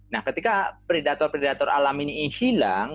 nah ketika predator predator alam ini hilang